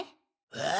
え？